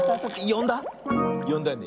よんだよね？